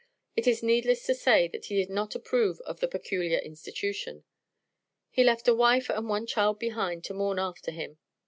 It is needless to say that he did not approve of the "peculiar institution." He left a wife and one child behind to mourn after him.